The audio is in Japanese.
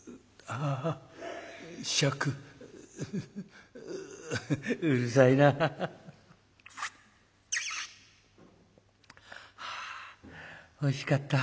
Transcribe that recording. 「あおいしかった。